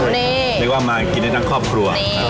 เรียกว่ามากินให้ทั้งครอบครัว